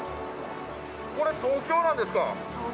これ、東京なんですか？